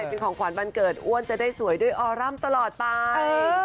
เป็นของขวัญวันเกิดอ้วนจะได้สวยด้วยออรัมป์ตลอดไป